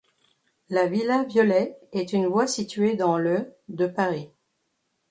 La villa Violet est une voie située dans le de Paris.